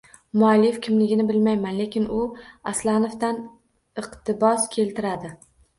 Muallif kimligini bilmayman, lekin u Aslanovdan iqtibos keltiradi: